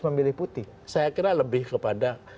memilih putih saya kira lebih kepada